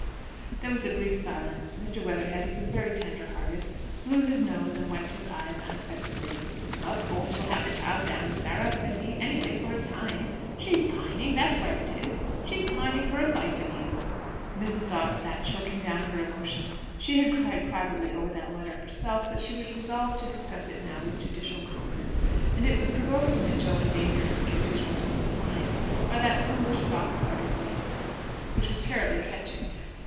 There was a brief silence. Mr. Weatherhead, who was very tender hearted, blew his nose and wiped his eyes unaffectedly. "Of course you'll have the child down, Sarah," said he; "anyway, for a time. She's pining, that's where it is; she's pining for a sight of you." Mrs. Dobbs sat choking down her emotion. She had cried privately over that letter herself, but she was resolved to discuss it now with judicial calmness; and it was provoking that Jo endangered her judicial tone of mind by that foolish, soft hearted way of his, which was terribly catching.